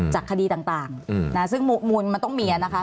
คดีต่างซึ่งมูลมันต้องมีนะคะ